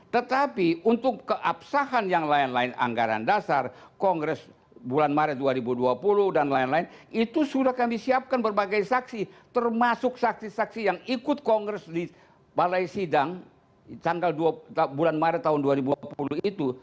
tetapi untuk keabsahan yang lain lain anggaran dasar kongres bulan maret dua ribu dua puluh dan lain lain itu sudah kami siapkan berbagai saksi termasuk saksi saksi yang ikut kongres di balai sidang tanggal bulan maret tahun dua ribu dua puluh itu